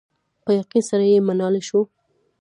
په یقین سره یې منلای شو.